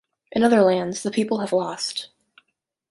In other lands, the people have lost.